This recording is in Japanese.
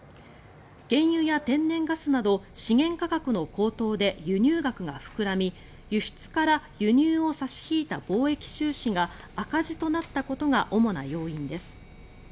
原油や天然ガスなど資源価格の高騰で輸入額が膨らみ輸出から輸入を差し引いた貿易収支が赤字となったことが主な要因です。